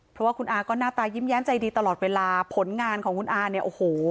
เพราะว่าคุณอาก็หน้าตายิ้มใจดีตลอดเวลาผลงานของคุณอาเนี่ยโอ้โห